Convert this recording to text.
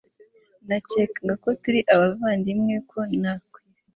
nakekaga ko turi abavandimwe ko nakwizera